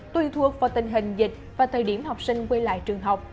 tùy thuộc vào tình hình dịch và thời điểm học sinh quay lại trường học